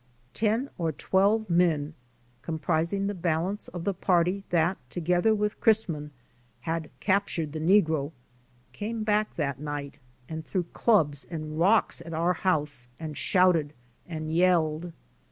Ten or twelve men, comprising the balance of the party that, together with Chrisman, had captured the negro, came back that night and threw clubs and rocks on our house and shouted and yelled.